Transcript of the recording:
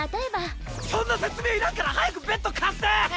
そんな説明いらんから早くベッド貸して！